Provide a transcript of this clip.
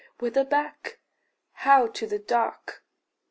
Whither back? How to the dark?